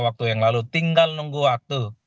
waktu yang lalu tinggal nunggu waktu